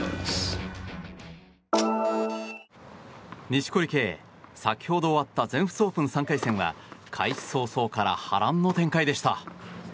錦織圭、先ほど終わった全仏オープン３回戦は開始早々から波乱の展開でした。